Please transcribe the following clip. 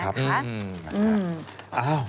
ครับ